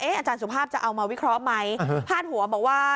อาจารย์สุภาพจะเอามาวิเคราะห์ไหมพาดหัวบอกว่า